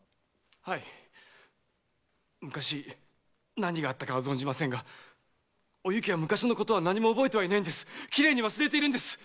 はい昔何があったかは存じませんがおゆきは昔のことを何も覚えていないんです忘れているんです！